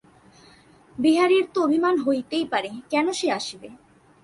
বিহারীর তো অভিমান হইতেই পারে–কেন সে আসিবে।